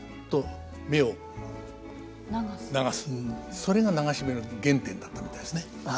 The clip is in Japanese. それが流し目の原点だったみたいですね。